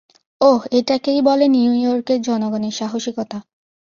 ওহ, এটাকেই বলে নিউইয়র্কের জনগণের সাহসিকতা।